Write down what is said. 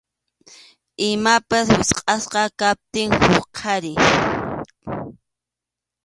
Imapas wichqʼasqa kaptin huqariy.